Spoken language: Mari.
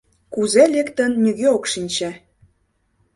— Кузе лектын, нигӧ ок шинче.